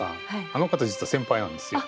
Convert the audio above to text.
あの方実は先輩なんですよ。